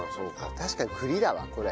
確かに栗だわこれ。